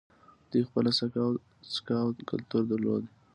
دوی خپله سکه او کلتور درلود